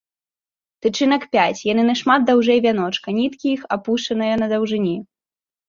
Тычынак пяць, яны нашмат даўжэй вяночка, ніткі іх апушаныя на даўжыні.